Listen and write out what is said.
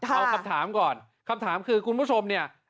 เอาคำถามก่อนคำถามคือคุณผู้ชมเนี่ย